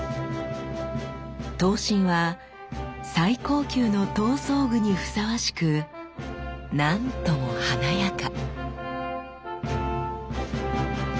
刀身は最高級の刀装具にふさわしく何とも華やか。